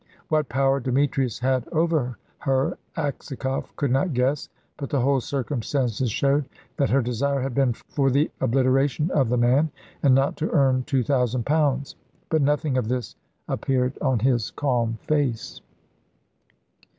What power Demetrius had over her Aksakoff could not guess, but the whole circumstances showed that her desire had been for the obliteration of the man, and not to earn two thousand pounds. But nothing of this appeared on his calm face.